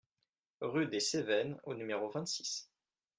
RUE DES CEVENNES au numéro vingt-six